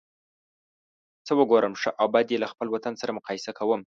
څه وګورم ښه او بد یې له خپل وطن سره مقایسه کوم.